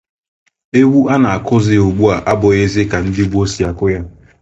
Egwu a na-akụzị ugbu a abụghịzị ka ndị gboo si akụ ya